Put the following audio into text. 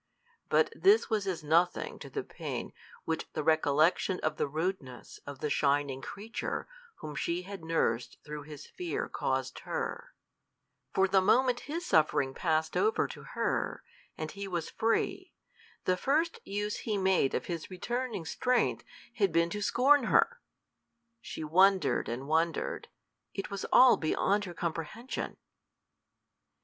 But this was as nothing to the pain which the recollection of the rudeness of the shining creature whom she had nursed through his fear caused her; for the moment his suffering passed over to her, and he was free, the first use he made of his returning strength had been to scorn her! She wondered and wondered; it was all beyond her comprehension.